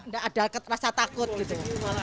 nggak ada rasa takut gitu